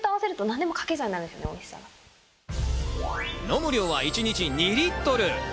飲む量は一日２リットル。